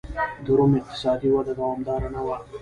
د روم اقتصادي وده دوامداره نه وه